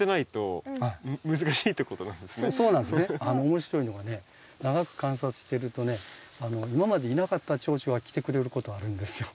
面白いのはね長く観察してるとね今までいなかったチョウチョが来てくれることあるんですよ。